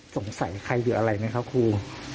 สงสัยใครอยู่อะไรไหมครับครู